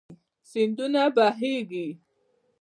سيندونه بهيږي